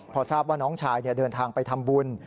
พอทราบว่าน้องชายเดินทางไปทำบุญ